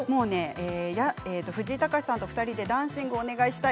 藤井隆さんと２人でダンシングお願いしたい。